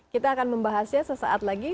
kita akan membahasnya sesaat lagi